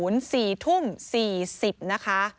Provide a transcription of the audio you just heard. ๑๕๔๐นนะคะ